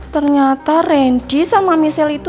ternyata range sama michelle itu